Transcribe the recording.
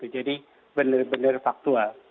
jadi benar benar faktual